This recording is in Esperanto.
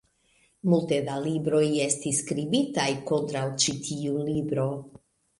Multe da libroj estis skribitaj kontraŭ ĉi tiu libro.